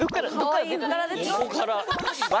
横から。